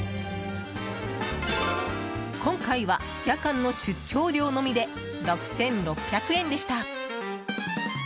今回は、夜間の出張料のみで６６００円でした。